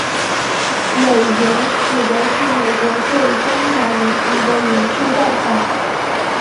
美援指的是美国对中华民国的援助贷款。